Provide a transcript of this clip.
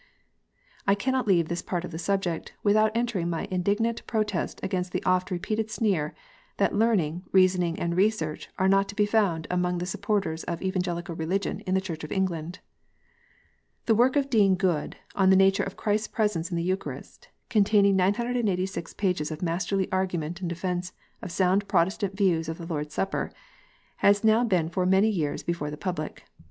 I cannot leave this part of the subject without entering my indignant protest against the often repeated sneer that learning, reasoning, and research are not to be found among the sup porters of Evangelical Eeligion in the Church of England ! The work of Dean Goode, on the nature of Christ s presence in the Eucharist, containing 986 pages of masterly argument in defence of sound Protestant views of the Lord s Supper, has now been for many years before the public.